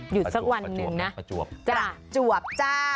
สักวันหนึ่งนะประจวบจ้า